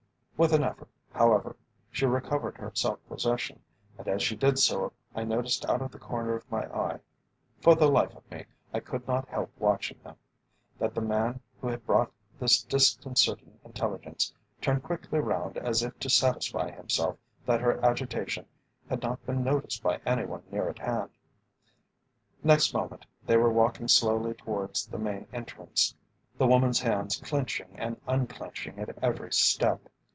With an effort, however, she recovered her self possession, and as she did so I noticed out of the corner of my eye (for the life of me I could not help watching them), that the man who had brought this disconcerting intelligence turned quickly round as if to satisfy himself that her agitation had not been noticed by any one near at hand. Next moment they were walking slowly towards the main entrance, the woman's hands clenching and unclenching at every step.